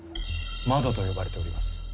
窓と呼ばれております。